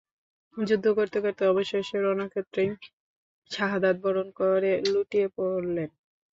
যুদ্ধ করতে করতে অবশেষে রণক্ষেত্রেই শাহাদাত বরণ করে লুটিয়ে পড়লেন।